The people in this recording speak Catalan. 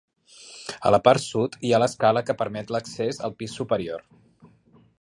A la part sud hi ha l’escala que permet l’accés al pis superior.